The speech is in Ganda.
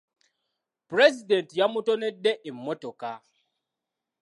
Pulezidenti yamutonedde emmotoka.